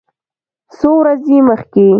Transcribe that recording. څو ورځې مخکې